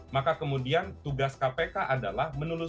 maka kemudian tugas kpk adalah menulis